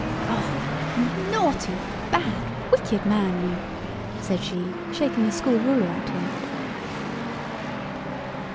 "Oh, you naughty, bad, wicked man, you!" said she, shaking the school ruler at him.